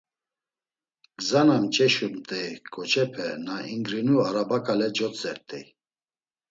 Gza na mç̌eşumt̆ey ǩoçepe na ingrinu araba ǩale cotzert̆ey.